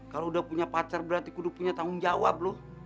kalo udah punya pacar berarti kudu punya tanggung jawab